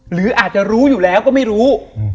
หรืออาจจะรู้อยู่แล้วก็ไม่รู้